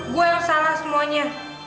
gue yang salah semuanya